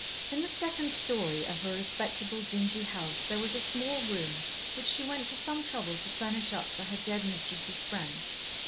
In the second story of her respectable, dingy house there was a small room which she went to some trouble to furnish up for her dead mistress's friend.